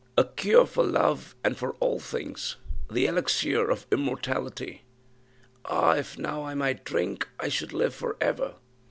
"A cure for love and for all things the Elixir of Immortality. Ah! if now I might drink, I should live for ever!"